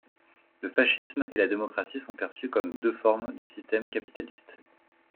Le fascisme et la démocratie sont perçus comme deux formes du système capitaliste.